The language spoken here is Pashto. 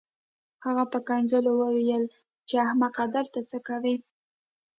هغه په کنځلو وویل چې احمقه دلته څه کوې